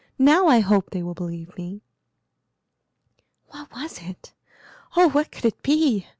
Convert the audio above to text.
Now I hope they will believe me." "What was it? Oh, what could it be?"